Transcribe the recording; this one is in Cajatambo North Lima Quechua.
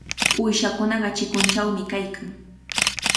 Uyshakunaqa chikunchawmi kaykan.